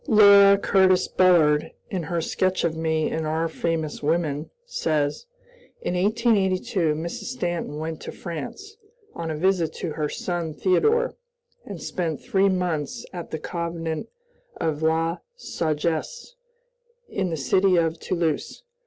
Laura Curtis Bullard, in her sketch of me in "Our Famous Women," says: "In 1882, Mrs. Stanton went to France, on a visit to her son Theodore, and spent three months at the convent of La Sagesse, in the city of Toulouse."